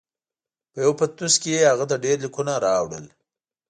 په یوه پتنوس کې یې هغه ته ډېر لیکونه راوړل.